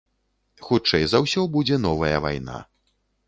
Хутчэй за ўсё, будзе новая вайна.